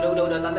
udah udah tante